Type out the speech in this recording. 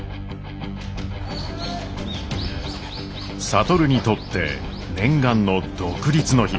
智にとって念願の独立の日。